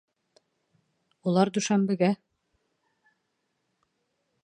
Улар дүшәмбегә